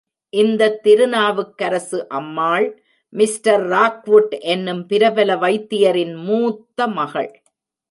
இந்தத் திருநாவுக்கரசு அம்மாள், mister Rockwood என்னும் பிரபல வைத்தியரின் மூத்த மகள்.